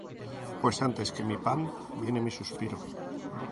Pues antes que mi pan viene mi suspiro;